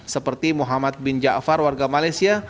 seperti muhammad bin jafar warga malaysia